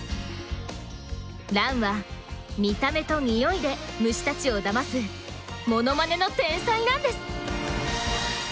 ランは見た目と匂いで虫たちをだますモノマネの天才なんです！